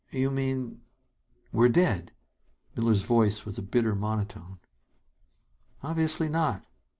"You mean we're dead!" Miller's voice was a bitter monotone. "Obviously not.